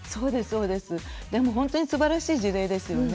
でも本当にすばらしい事例ですよね。